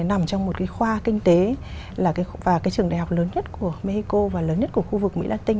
nằm trong một cái khoa kinh tế và cái trường đại học lớn nhất của mexico và lớn nhất của khu vực mỹ latin